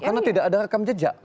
karena tidak ada rekam jejak